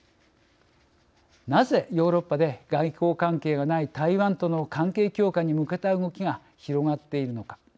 なぜ、ヨーロッパで外交関係がない台湾との関係強化に向けた動きが広がっているのか。